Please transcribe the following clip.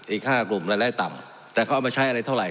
อีก๕กลุ่มรายได้ต่ำแต่เขาเอามาใช้อะไรเท่าไห